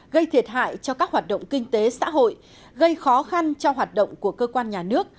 gây thiệt hại cho các hoạt động kinh tế xã hội gây khó khăn cho hoạt động của cơ quan nhà nước